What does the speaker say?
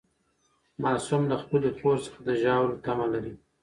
معصوم له خپلې خور څخه د ژاولو تمه لري.